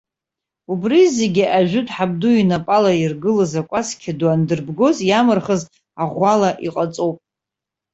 Убри зегьы ажәытә ҳабду инапала иргылаз акәаскьа ду андырбгоз иамырхыз аӷәала иҟаҵоуп.